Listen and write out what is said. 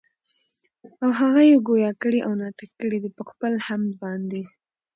او هغه ئي ګویا کړي او ناطق کړي دي پخپل حَمد باندي